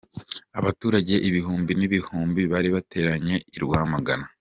Abaturage ibihumbi n'ibihumbi bari bateraniye i Rwamagana.